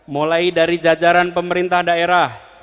mulai dari jajaran pemerintah daerah